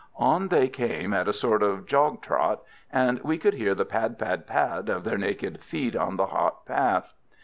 On they came at a sort of jog trot, and we could hear the pad! pad! pad! of their naked feet on the hot path.